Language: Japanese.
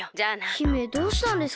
姫どうしたんですか？